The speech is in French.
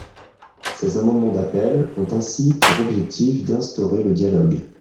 Ces amendements d’appel ont ainsi pour objectif d’instaurer le dialogue.